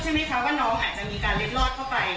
เข้าใจว่าน้องเนี่ยบกท่องเร็ดรอดเข้าไป